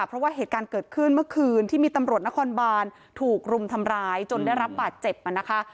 เพราะว่าเหตุการณ์เกิดขึ้นเมื่อคืนที่มีตำรวจนครบานถูกรุมทำร้ายจนได้รับบาดเจ็บมานะคะ